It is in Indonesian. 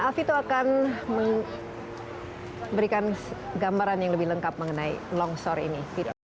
alvito akan memberikan gambaran yang lebih lengkap mengenai longsor ini